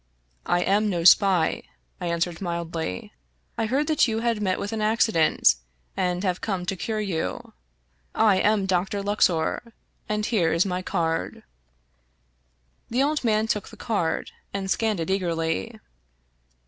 " I am no spy," I answered mildly. " I heard that you had met with an accident, and have come to cure you. I am Dr. Luxor, and here is my card." The old man took the card, and scanned it eagerly.